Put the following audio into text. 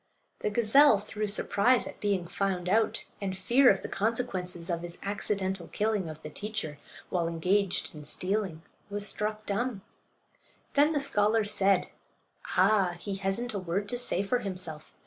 The gazelle, through surprise at being found out and fear of the consequences of his accidental killing of the teacher, while engaged in stealing, was struck dumb. Then the scholars said: "Ah! he hasn't a word to say for himself.